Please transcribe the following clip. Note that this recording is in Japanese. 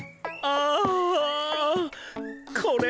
ああ。